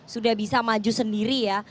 sudah bisa maju sendiri ya